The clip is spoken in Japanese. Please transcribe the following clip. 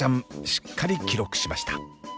しっかり記録しました。